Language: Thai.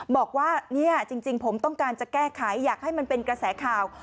บอกว่าเนี่ยจริงผมต้องการจะแก้ไขอยากให้มันเป็นกระแสข่าว